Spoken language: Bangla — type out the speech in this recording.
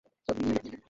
তোমরা তো এখন ধনী।